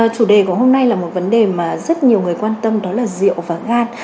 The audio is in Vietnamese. chủ đề của hôm nay là một vấn đề mà rất nhiều người quan tâm đó là rượu và gan